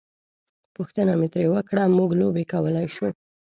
پوښتنه مې ترې وکړه: موږ لوبې کولای شو؟